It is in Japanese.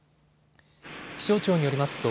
気象庁によりますと